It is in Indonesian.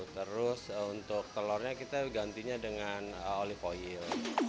terus untuk telurnya kita gantinya dengan olive oil